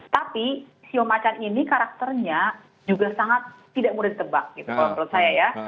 tapi sio macan ini karakternya juga sangat tidak mudah ditebak gitu menurut saya ya